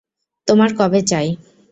তোমার কবে চাই?